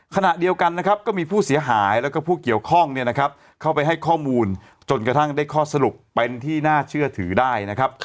ขณะเดียวกันนะครับก็มีผู้เสียหายแล้วก็ผู้เกี่ยวข้องเข้าไปให้ข้อมูลจนกระทั่งได้ข้อสรุปเป็นที่น่าเชื่อถือได้นะครับ